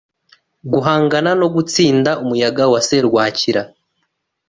guhangana no gutsinda umuyaga wa serwakira